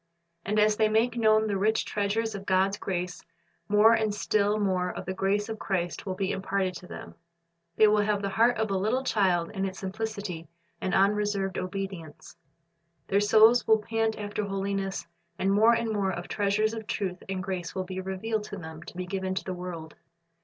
And as they make known the rich treasures of God's grace, more and still more of the grace of Christ will be imparted to them. They will have the heart of a little child in its simplicity and unreserved obedience. Their souls will pant after holiness, and more and more of the treasures of truth and grace will be revealed to them to be given to the world.